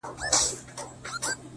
زما د ښار ځوان؛